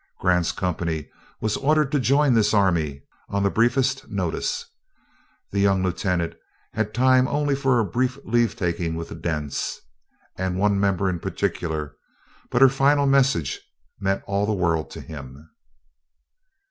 Grant's company was ordered to join this army, on the briefest notice. The young lieutenant had time only for a brief leave taking with the Dents, and one member in particular, but her final message meant all the world to him.